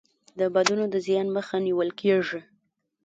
د بادونو د زیان مخه نیول کیږي.